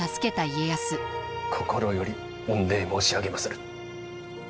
心より御礼申し上げまする。